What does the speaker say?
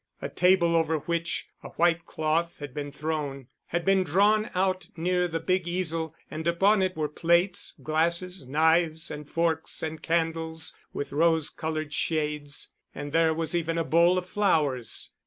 A table over which a white cloth had been thrown, had been drawn out near the big easel and upon it were plates, glasses, knives and forks and candles with rose colored shades, and there was even a bowl of flowers.